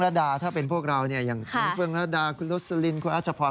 และถ้าเป็นพวกเราน้องเพิ่งรัดดาคือโรซลินคุณอาจภรณ์